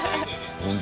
本当。